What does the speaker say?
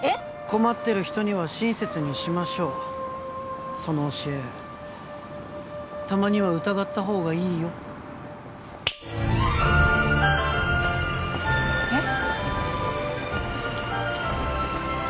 困ってる人には親切にしましょうその教えたまには疑った方がいいよえっ？